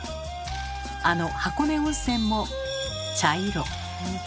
あの箱根温泉も茶色。